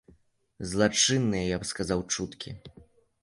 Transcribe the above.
Злачынныя, я б сказаў, чуткі.